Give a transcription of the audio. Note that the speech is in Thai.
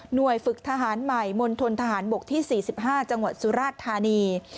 โดยฝึกทหารใหม่มณฑนทหารบกที่๔๕จังหวัดสุราชธานี